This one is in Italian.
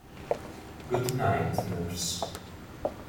Good Night, Nurse